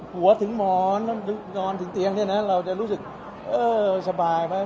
หัวถึงหมอนนอนถึงเตียงเนี่ยนะเราจะรู้สึกเออสบายไหม